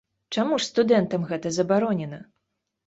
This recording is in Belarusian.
Чаму ж студэнтам гэта забаронена?